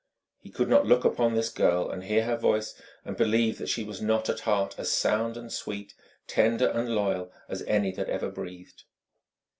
He could not look upon this girl and hear her voice and believe that she was not at heart as sound and sweet, tender and loyal, as any that ever breathed.